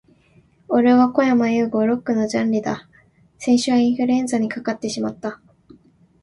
俺はこやまゆうご。Lock のジャンリだ。先週はインフルエンザにかかってしまった、、、